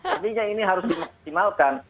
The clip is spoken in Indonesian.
artinya ini harus dimaksimalkan